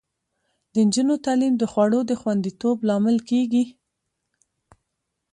د نجونو تعلیم د خوړو د خوندیتوب لامل کیږي.